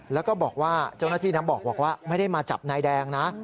แล้วก็บอกว่าเจ้าหน้าที่บอกว่าไม่ได้มาจับนายแดงนะ